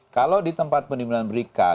kalau di tempat penimbunan berika